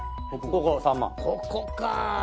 ここか！